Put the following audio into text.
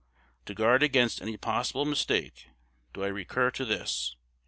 _To guard against any possible mistake, do I recur to this.